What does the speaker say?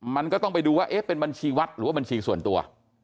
มันก็ต้องไปดูว่าเป็นบัญชีวัฒน์หรือบัญชีส่วนตัว